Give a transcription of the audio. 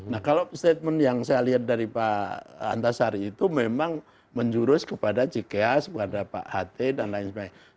nah kalau statement yang saya lihat dari pak antasari itu memang menjurus kepada cikeas kepada pak ht dan lain sebagainya